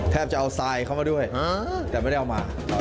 จะเอาทรายเข้ามาด้วยแต่ไม่ได้เอามา